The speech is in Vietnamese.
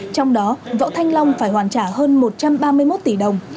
trong đó võ thanh long phải hoàn trả hơn một trăm ba mươi một tỷ đồng